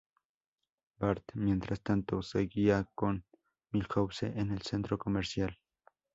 Bart, mientras tanto, seguía con Milhouse en el centro comercial.